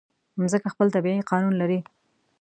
مځکه خپل طبیعي قانون لري.